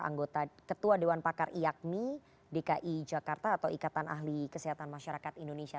anggota ketua dewan pakar iakmi dki jakarta atau ikatan ahli kesehatan masyarakat indonesia